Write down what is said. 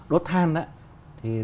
đốt than đó thì